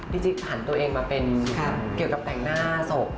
จิ๊กผ่านตัวเองมาเป็นเกี่ยวกับแต่งหน้าศพ